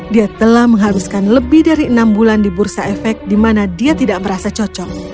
dia telah mengharuskan lebih dari enam bulan di bursa efek di mana dia tidak merasa cocok